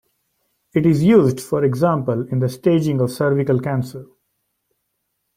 It is used, for example, in the staging of cervical cancer.